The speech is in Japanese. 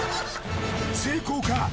成功か？